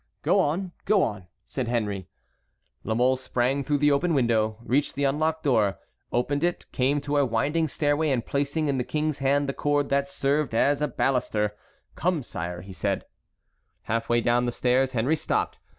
"Go on, go on," said Henry. La Mole sprang through the open window, reached the unlocked door, opened it, came to a winding stairway, and placing in the king's hand the cord that served as a baluster: "Come, sire," said he. Half way down the stairs Henry stopped.